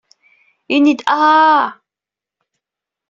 Ini-d ahhh.